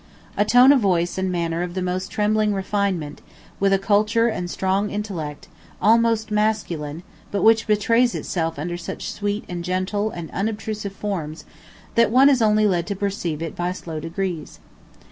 A tone of voice and manner of the most trembling refinement, with a culture and strong intellect, almost masculine, but which betrays itself under such sweet and gentle and unobtrusive forms that one is only led to perceive it by slow degrees.